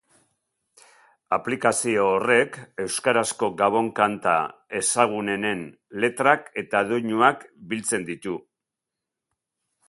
Aplikazio horrek euskarazko gabon kanta ezagunenen letrak eta doinuak biltzen ditu.